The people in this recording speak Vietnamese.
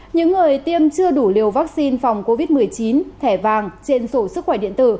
những người tiêm chưa đủ liều vaccine phòng covid một mươi chín thẻ vàng trên sổ sức khỏe điện tử